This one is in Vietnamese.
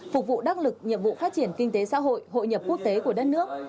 phục vụ đắc lực nhiệm vụ phát triển kinh tế xã hội hội nhập quốc tế của đất nước